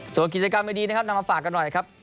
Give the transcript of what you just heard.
ส่วนกิจกรรมดีนะครับนำมาฝากกันหน่อยครับ